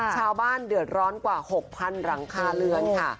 ชาวบ้านเดือดร้อนกว่า๖๐๐๐หลังคาเรือนค่ะ